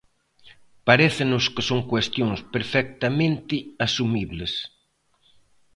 Parécenos que son cuestións perfectamente asumibles.